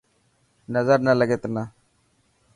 نظر نه لگي تنا.